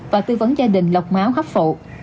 và tư vấn gia đình lọc máu khắp phụ